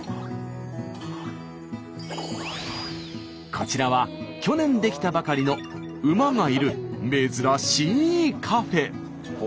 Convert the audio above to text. こちらは去年出来たばかりの馬がいる珍しいカフェ。